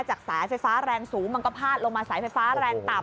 สายไฟฟ้าแรงสูงมันก็พาดลงมาสายไฟฟ้าแรงต่ำ